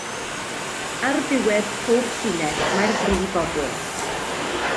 Ar ddiwedd pob llinell mae'r brifodl.